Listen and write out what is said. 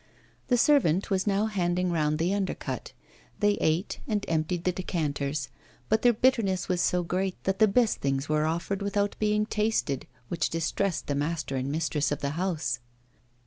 The servant was now handing round the undercut. They ate, and emptied the decanters; but their bitterness was so great that the best things were offered without being tasted, which distressed the master and mistress of the house.